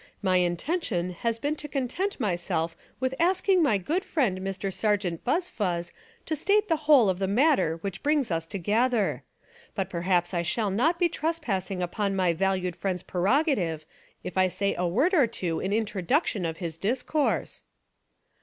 My intention had been to con tent myself with asking my good friend Mr. Sergeant Buzfuz to state the whole of the mat ter which brings us together. But perhaps I shall not be trespassing upon my valued friend's prerogative if I say a word or two in intro duction of his discourse."